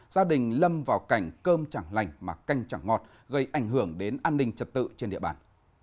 gia đình lâm vào cảnh cơm chẳng lành mà canh chẳng ngọt gây ảnh hưởng đến an ninh trật tự trên địa bàn